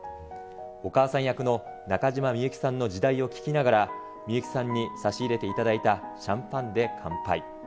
お母さん役の中島みゆきさんの時代を聴きながら、みゆきさんに差し入れていただいたシャンパンで乾杯。